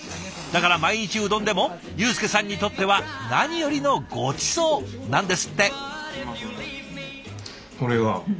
だから毎日うどんでも祐扶さんにとっては何よりのごちそうなんですって。